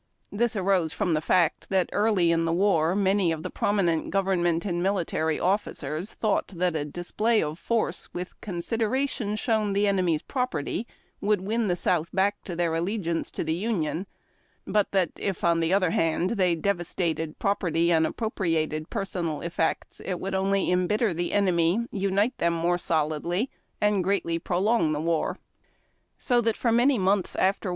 This arose from the fact tliat early in the war many of the prominent government and military officers thought that a display of force with consideration shown the enemy's prop erty would win the South back to her allegiance to the Union ; but that if, on the other hand, they devastated property and appropriated personal 'effects, it would only embitter tlie enemy, unite tliem more solidly, and greatly prolong the war; so that for many months after